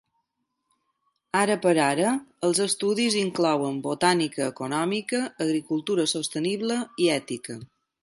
Ara per ara, els estudis inclouen botànica econòmica, agricultura sostenible i ètica.